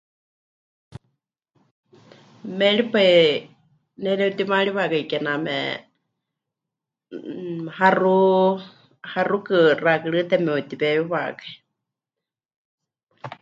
Méripai ne nepɨtimaariwakai kename, mmm, haxu, haxukɨ kename xakɨrɨ́te me'utiweewiwakai.